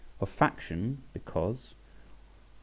Of faction, because .